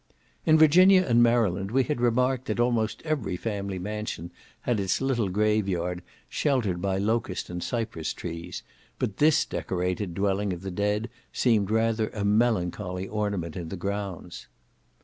In Virginia and Maryland we had remarked that almost every family mansion had its little grave yard, sheltered by locust and cypress trees; but this decorated dwelling of the dead seemed rather a melancholy ornament in the grounds.